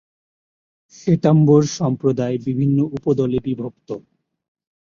শ্বেতাম্বর সম্প্রদায় বিভিন্ন উপদলে বিভক্ত।